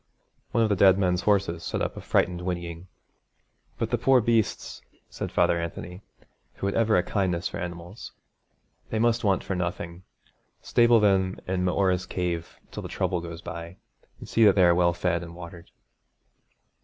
One of the dead men's horses set up a frightened whinnying. 'But the poor beasts,' said Father Anthony, who had ever a kindness for animals, 'they must want for nothing. Stable them in M'Ora's Cave till the trouble goes by, and see that they are well fed and watered.'